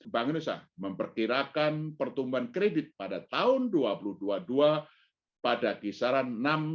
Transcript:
bank indonesia memperkirakan pertumbuhan kredit pada tahun dua ribu dua puluh dua pada kisaran